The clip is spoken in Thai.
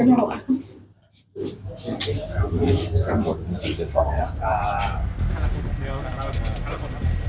อันดับ๑นาทีเจ็ดสองครับ